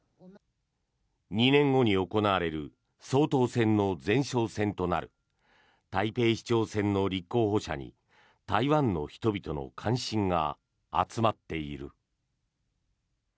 ２年後に行われる総統選の前哨戦となる台北市長選の立候補者に台湾の人々の関心が集まっている。